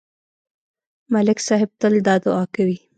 ملک صاحب تل دا دعا کوي.